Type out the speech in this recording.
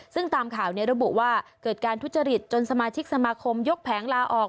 ซึ่งตามข่าวนี้ระบุว่าเกิดการทุจริตจนสมาชิกสมาคมยกแผงลาออก